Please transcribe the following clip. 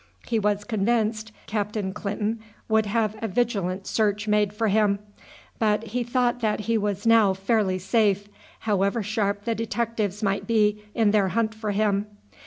He was convinced Captain Clinton would have a vigilant search made for him, but he thought that he was now fairly safe, however sharp the detectives might be in their hunt for him.